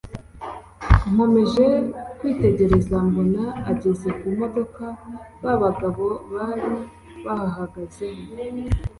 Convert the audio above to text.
nkomeje kwitegereza mbona ageze kumodoka ba bagabo bari bahahagazeho